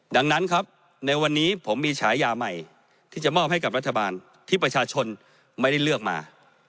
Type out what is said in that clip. ดังนั้นครับในวันนี้ผมมีฉายาใหม่ที่จะมอบให้กับรัฐบาลที่ประชาชนไม่ได้เลือกมา